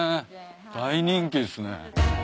大人気ですね。